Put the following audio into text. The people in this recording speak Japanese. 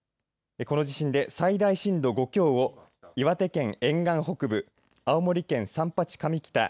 この地震で最大震度５強を岩手県沿岸北部青森県三八上北